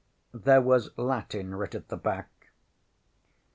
There was Latin writ at the back.